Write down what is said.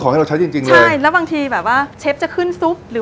ครั้งเดียวขอไปดูบรรยากาศแบบจริงเลย